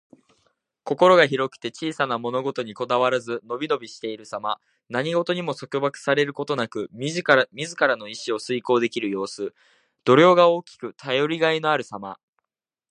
心が広くて小さな物事にこだわらず、のびのびしているさま。何事にも束縛されることなく、自らの意志を遂行できる様子。度量が大きく、頼りがいのあるさま。